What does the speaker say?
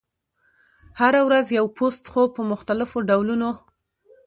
هره ورځ یو پوسټ، خو په مختلفو ډولونو: